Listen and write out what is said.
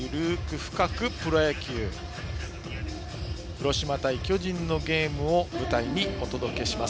広島対巨人のゲームを舞台にお届けします。